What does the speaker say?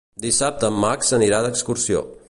Dissabte en Max anirà d'excursió.